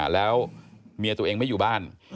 แล้วเมียตัวเองไม่อยู่บ้าน